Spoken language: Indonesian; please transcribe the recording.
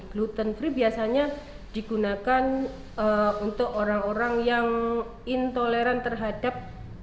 gluten free biasanya digunakan untuk orang orang yang intoleran terhadap